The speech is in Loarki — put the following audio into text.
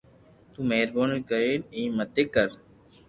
تو مھربوني ڪرن ايم متي ڪر